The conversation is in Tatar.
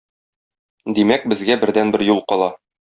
Димәк, безгә бердәнбер юл кала.